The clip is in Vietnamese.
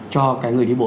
cho cái người đi bộ